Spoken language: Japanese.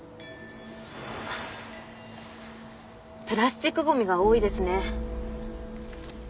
プラスチックごみが多いですね。